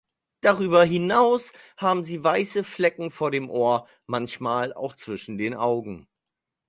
Darüber hinaus haben sie weiße Flecken vor dem Ohr, manchmal auch zwischen den Augen.